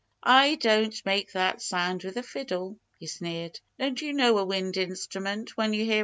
"I don't make that sound with a fiddle," he sneered. "Don't you know a wind instrument when you hear it?"